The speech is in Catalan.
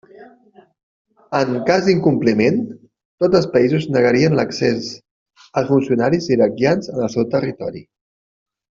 En cas d'incompliment, tots els països negarien l'accés als funcionaris iraquians en el seu territori.